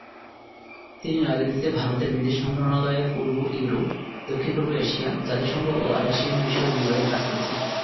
তিনি নয়াদিল্লিতে ভারতের বিদেশ মন্ত্রণালয়ের পূর্ব ইউরোপ, দক্ষিণ পূর্ব এশিয়া, জাতিসংঘ ও আসিয়ান বিষয়ক বিভাগে কাজ করেছেন।